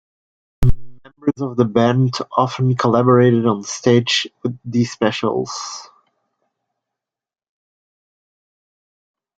Members of the band often collaborated on stage with The Specials.